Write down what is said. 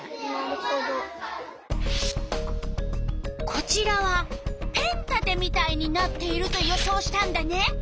こちらはペン立てみたいになっていると予想したんだね。